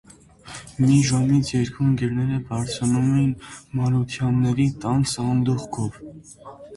Մի Ժամից երկու ընկերները բարձրանում էին Մարությանների տան սանդուղքով: